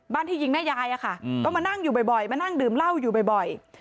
ที่ยิงแม่ยายอะค่ะก็มานั่งอยู่บ่อยมานั่งดื่มเหล้าอยู่บ่อย